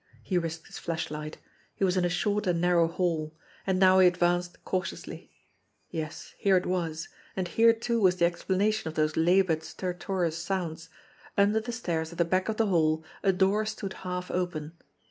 He risked his flashlight. He was in a short and narrow hall. And now he advanced cautiously. Yes, here it was ; and here, too, was the explanation of those laboured, stertorous sounds. Under the stairs at the back of the hall, a door stood half open.